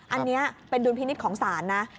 อันนี้เป็นดุลพินิษฐ์ของศาลนะ